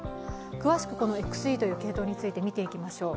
詳しくＸＥという系統について見ていきましょう。